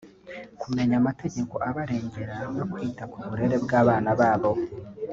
kumenya amategeko abarengera no kwita ku burere bw’abana babo